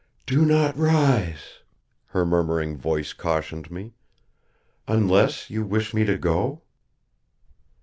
"Do not rise!" her murmuring voice cautioned me. "Unless you wish me to go?"